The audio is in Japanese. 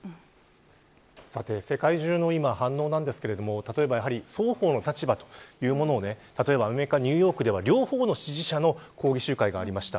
さて、世界中の反応ですが双方の立場というものをアメリカ・ニューヨークでは両方の支持者の抗議集会がありました。